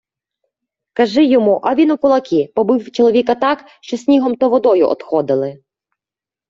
Кажи йому, а він у кулаки, побив чоловіка так, що снігом та водою одходили.